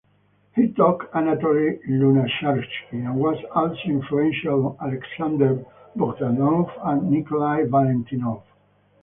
He taught Anatoly Lunacharsky and was also influential on Alexander Bogdanov and Nikolai Valentinov.